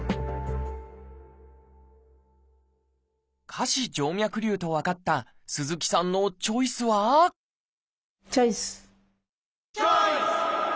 下肢静脈りゅうと分かった鈴木さんのチョイスはチョイス！